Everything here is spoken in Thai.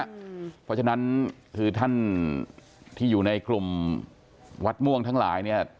เพราะฉะนั้นคือท่านที่อยู่ในกลุ่มวัดม่วงทั้งหลายเนี่ย